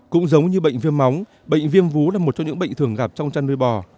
cũng giống như bệnh viêm móng bệnh viêm vú là một trong những bệnh thường gặp trong chăn nuôi bò